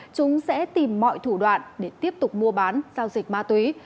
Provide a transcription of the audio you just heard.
chúng sẽ tìm mọi thủ đoạn để tiếp tục mua bán giao dịch ma túy